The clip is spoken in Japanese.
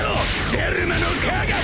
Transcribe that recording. ジェルマの科学！